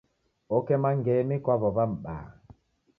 Okema ngemi kwa w'ow'a m'baa.